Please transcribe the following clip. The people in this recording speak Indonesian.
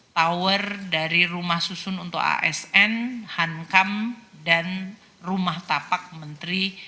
tower dari rumah susun untuk asn hankam dan rumah tapak menteri